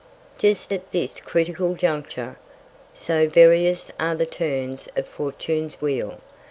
Just at this critical Juncture, so various are the Turns of Fortune's Wheel!